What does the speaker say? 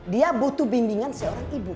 dia butuh bimbingan seorang ibu